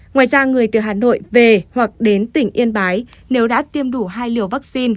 ngoài ra người từ hà nội về hoặc đến tỉnh yên bái nếu đã tiêm đủ hai liều vaccine